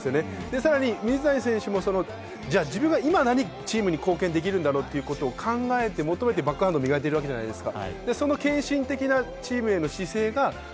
さらに水谷選手も今、自分は何が貢献できるだろうというのを求めてバックハンドを磨いてるわけじゃないですか。